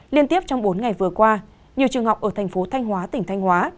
liên tiếp trong bốn ngày vừa qua nhiều trường học ở thành phố thanh hóa tỉnh thanh hóa